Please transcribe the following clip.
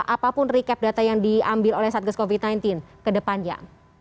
apapun recap data yang diambil oleh satgas covid sembilan belas ke depannya